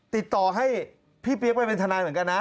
ติดต่อให้พี่เปี๊ยกไปเป็นทนายเหมือนกันนะ